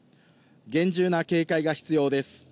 厳重な警戒が必要です。